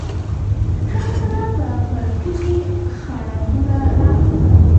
کله کله به پر کلي خړه دوړه راغله.